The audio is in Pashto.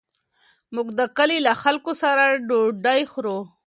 موږ د کلي له خلکو سره ډوډۍ وخوړه.